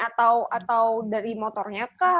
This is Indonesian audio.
atau dari motornya kah